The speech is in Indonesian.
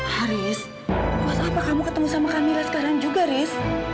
haris kenapa kamu ketemu sama kamilah sekarang juga ris